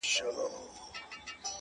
اوبه د سر د خوا خړېږي.